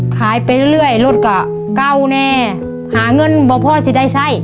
ไปเรื่อยรถก็เก่าแน่หาเงินบอกพ่อสิได้ใช้